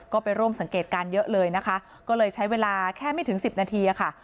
ก็ไปร่วมสังเกตการณ์เยอะเลยนะคะก็เลยใช้เวลาแค่ไม่ถึงสิบนาทีค่ะ